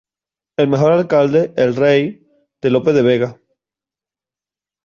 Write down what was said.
El mejor alcalde, el rey", de Lope de Vega.